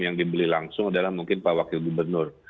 yang dibeli langsung adalah mungkin pak wakil gubernur